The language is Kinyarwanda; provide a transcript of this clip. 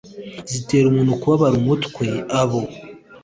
zitera umuntu kubabara umutwe abo